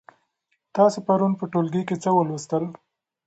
تاسې پرون په ټولګي کې څه ولوستل؟